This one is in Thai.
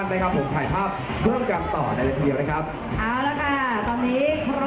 ๑๙๑๘ในเมืองไทยประกันชีวิตสำกัดมหาชวน